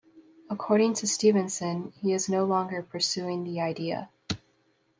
According to Stephenson, he is no longer pursuing the idea.